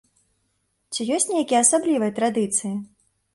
Ці ёсць нейкія асаблівыя традыцыі?